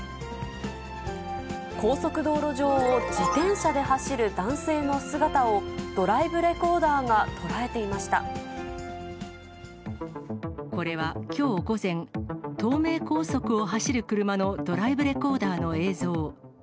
高速道路上を自転車で走る男性の姿をドライブレコーダーが捉これは、きょう午前、東名高速を走る車のドライブレコーダーの映像。